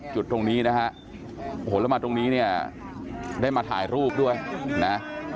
จุดตรงนี้นะฮะโอ้โหแล้วมาตรงนี้เนี่ยได้มาถ่ายรูปด้วยนะ